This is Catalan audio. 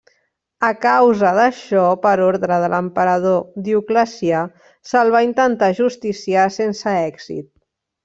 A causa d'això, per ordre de l'emperador Dioclecià se'l va intentar ajusticiar sense èxit.